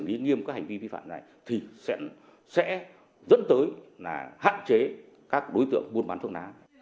nhiên nghiêm các hành vi vi phạm này thì sẽ dẫn tới hạn chế các đối tượng buôn bán thuốc lá